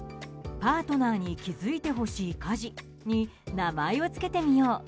パートナーに気づいてほしい家事に名前を付けてみよう。